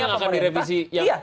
yang diusulkan di revisi